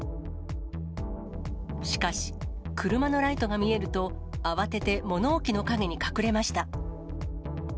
しかし、車のライトが見えると、慌てて物置の陰に隠れました。